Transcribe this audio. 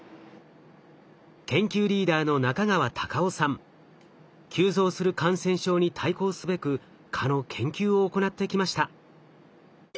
研究リーダーの急増する感染症に対抗すべく蚊の研究を行ってきました。